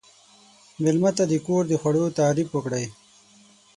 مېلمه ته د کور د خوړو تعریف وکړئ.